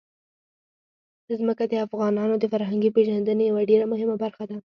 ځمکه د افغانانو د فرهنګي پیژندنې یوه ډېره مهمه برخه ده.